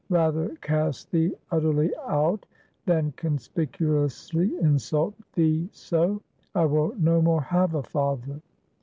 Rather cast thee utterly out, than conspicuously insult thee so. I will no more have a father."